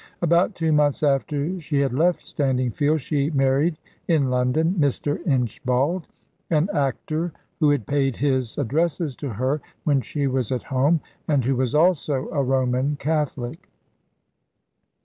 About two months after she had left Standingfield she married, in London, Mr. Inchbald, an actor, who had paid his addresses to her when she was at home, and who was also a Roman Catholic.